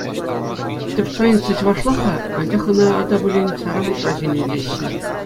Тӗп страница чӑвашлах-ха, анчах ӑна та пулин сайра-хутра ҫӗнетеҫҫӗ.